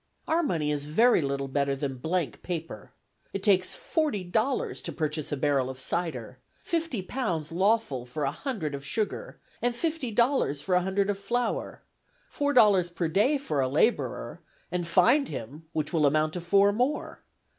Our money is very little better than blank paper. It takes forty dollars to purchase a barrel of cider; fifty pounds lawful for a hundred of sugar, and fifty dollars for a hundred of flour; four dollars per day for a laborer, and find him, which will amount to four more.